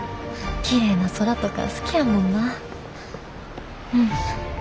きれいな空とか好きやもんな。うん。